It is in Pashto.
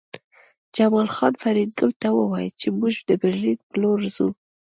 جمال خان فریدګل ته وویل چې موږ د برلین په لور ځو